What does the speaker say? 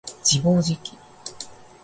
自暴自棄